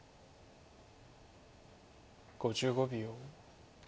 ５５秒。